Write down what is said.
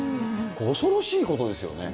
恐ろしいことですよね。